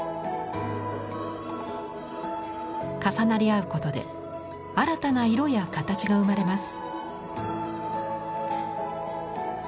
重なり合うことで新たな色や形が生まれます。